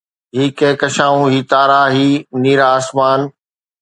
هي ڪهڪشائون، هي تارا، هي نيرا آسمان